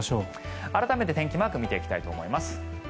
改めて天気マークを見ていきたいと思います。